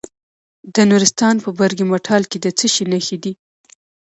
د نورستان په برګ مټال کې د څه شي نښې دي؟